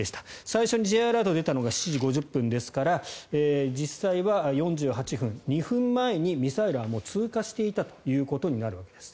最初にＪアラートが出たのが７時５０分ですから実際は４８分２分前にミサイルは、もう通過していたということになるわけです。